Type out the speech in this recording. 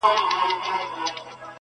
اسمان چي مځکي ته راځي قیامت به سینه!!